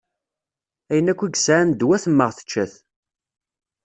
Ayen akk i yesɛa n ddwa temmeɣ tečča-t.